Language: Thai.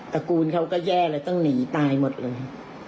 ระกูลเขาก็แย่เลยต้องหนีตายหมดเลย